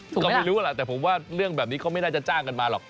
ก็ไม่รู้ล่ะแต่ผมว่าเรื่องแบบนี้เขาไม่น่าจะจ้างกันมาหรอก